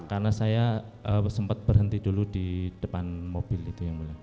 karena saya sempat berhenti dulu di depan mobil itu yang mulia